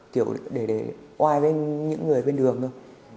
kiểu để oai với những người bên đường thôi